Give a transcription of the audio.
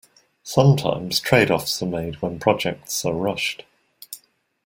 Sometimes trade-offs are made when projects are rushed.